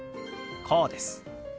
こうです。